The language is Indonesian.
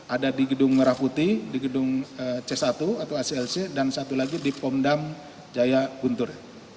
ada di gedung merah putih di gedung c satu atau aclc dan satu lagi di pondam jaya guntur